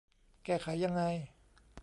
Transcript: แก้ไขยังไง